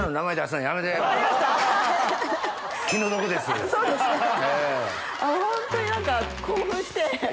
もうホントに何か興奮して。